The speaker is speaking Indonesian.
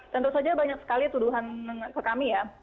tentu saja banyak sekali tuduhan ke kami ya